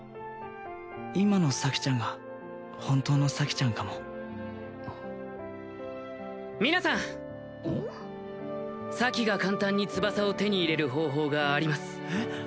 今の咲ちゃんが本当の咲ちゃんかも皆さん咲が簡単に翼を手に入れる方法があります